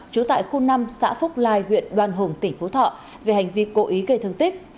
trú tại khu năm xã phúc lai huyện đoan hùng tỉnh phú thọ về hành vi cố ý gây thương tích